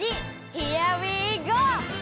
ヒアウィーゴー！